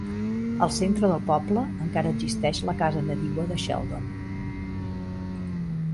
Al centre del poble encara existeix la casa nadiua de Sheldon.